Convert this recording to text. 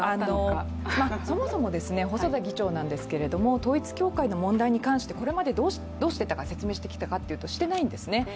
そもそも細田議長なんですけれども、統一教会の問題に関してこれまでどう説明してきたかというとしてないんですね。